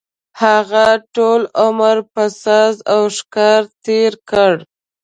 هغه ټول عمر په ساز او ښکار تېر کړ.